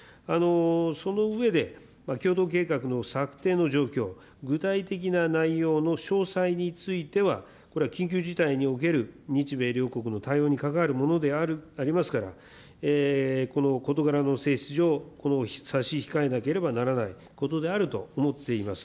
その上で、共同計画の策定の状況、具体的な内容の詳細については、これは緊急事態における日米両国の対応に関わるものでありますから、この事柄の性質上、差し控えなければならないことであると思っています。